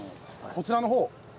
こちらの方を。